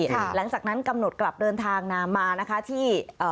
หลังจากนั้นกำหนดกลับเดินทางนามานะคะที่เอ่อ